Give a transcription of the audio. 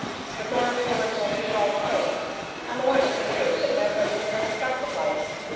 The ground joins on to your old pegs; and the wonder to me is that nobody has ever struck the place.